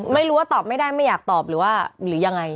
ไม่รู้ว่าตอบไม่ได้ไม่อยากตอบหรือว่าหรือยังไง